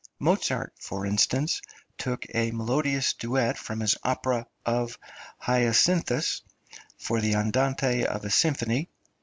Mozart, for instance, took a melodious duet from his opera of "Hyacinthus," for the Andante of a symphony (p.